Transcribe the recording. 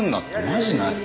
マジない。